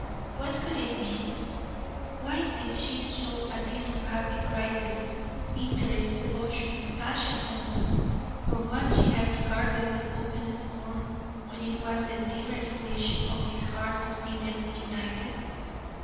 What could it mean? Why did she show at this unhappy crisis, interest, devotion, passion almost, for one she had regarded with open scorn when it was the dearest wish of his heart to see them united?